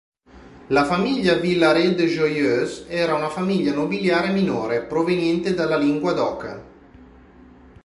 La famiglia Villaret de Joyeuse era una famiglia nobiliare minore proveniente dalla Linguadoca.